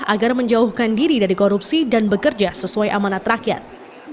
agar menjauhkan diri dari korupsi dan bekerja sesuai amanat rakyat